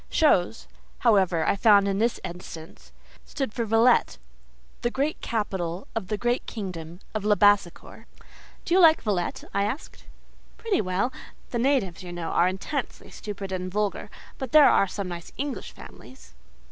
"Chose," however, I found in this instance, stood for Villette—the great capital of the great kingdom of Labassecour. "Do you like Villette?" I asked. "Pretty well. The natives, you know, are intensely stupid and vulgar; but there are some nice English families."